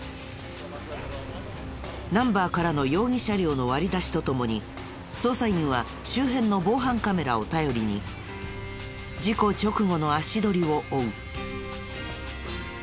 ナンバーからの容疑車両の割り出しとともに捜査員は周辺の防犯カメラを頼りに事故直後の足取りを追う。